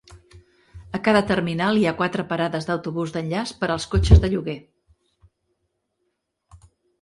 A cada terminal hi ha quatre parades d'autobús d'enllaç per als cotxes de lloguer.